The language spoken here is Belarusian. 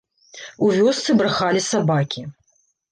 У вёсцы брахалі сабакі.